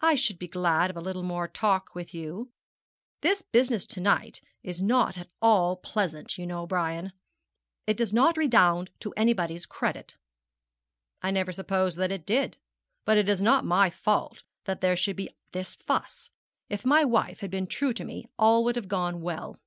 'I should be glad of a little more talk with you. This business of to night is not at all pleasant, you know, Brian. It does not redound to anybody's credit.' 'I never supposed that it did; but it is not my fault that there should be this fuss. If my wife had been true to me all would have gone well.'